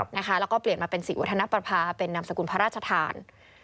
แล้วก็เปลี่ยนมาเป็นศรีวัฒนประภาเป็นนามสกุลพระราชทาน